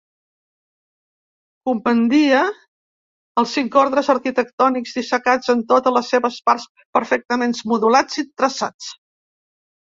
Compendia els cinc ordres arquitectònics dissecats en totes les seves parts, perfectament modulats i traçats.